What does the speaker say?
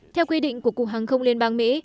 theo quy định của cục hàng không liên bang mỹ